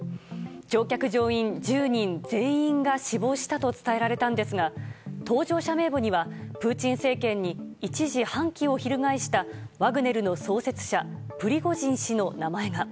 乗客・乗員１０人全員が死亡したと伝えらえたんですが搭乗者名簿にはプーチン政権に一時、反旗を翻したワグネルの創設者プリゴジン氏の名前が。